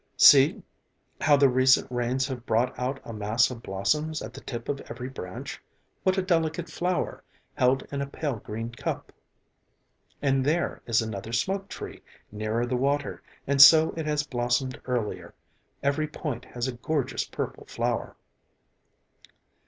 See how the recent rains have brought out a mass of blossoms at the tip of every branch, what a delicate flower, held in a pale green cup. And there is another smoke tree, nearer the water and so it has blossomed earlier, every point has a gorgeous purple flower."